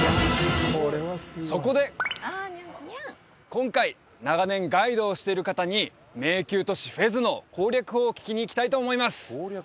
そこで今回長年ガイドをしている方に迷宮都市フェズの攻略法を聞きに行きたいと思います